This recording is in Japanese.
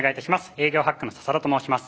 営業ハックの笹田と申します。